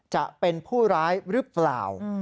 จะเป็นผู้ร้ายหรือเปล่า